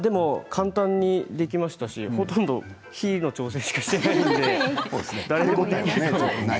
簡単にできましたしほとんど火の調整しかしていないので誰でも、できますね。